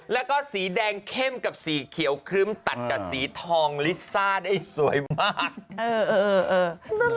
แล้วก็สีแดงเข้มกับสีเขียวครึ้มตัดกับสีทองลิซ่าได้สวยมาก